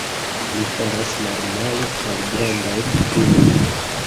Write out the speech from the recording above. Li faras normale malgrandajn krimojn.